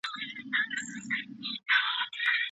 په قلم لیکنه کول د لاسونو د تڼاکو په بیه بدلیږي.